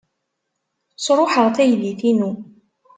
Sṛuḥeɣ taydit-inu.